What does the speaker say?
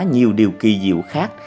nhiều điều kỳ diệu khác